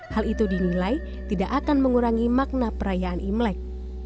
hal itu dinilai tidak akan mengurangi makna perayaan imlek